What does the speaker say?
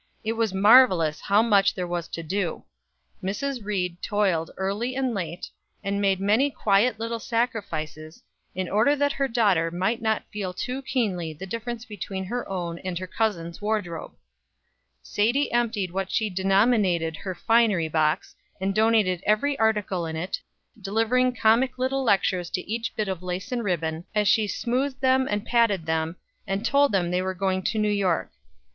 It was marvelous how much there was to do. Mrs. Ried toiled early and late, and made many quiet little sacrifices, in order that her daughter might not feel too keenly the difference between her own and her cousin's wardrobe. Sadie emptied what she denominated her finery box, and donated every article in it, delivering comic little lectures to each bit of lace and ribbon, as she smoothed them and patted them, and told them they were going to New York.